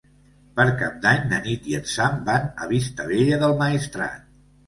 Per Cap d'Any na Nit i en Sam van a Vistabella del Maestrat.